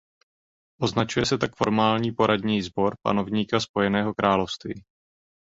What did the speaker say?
Označuje se tak formální poradní sbor panovníka Spojeného království.